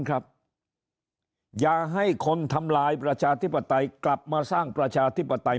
อย่าให้คนทำลายประชาธิปไตยกลับมาสร้างประชาธิปไตย